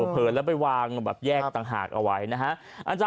เผลอแล้วไปวางแบบแยกต่างหากเอาไว้นะฮะ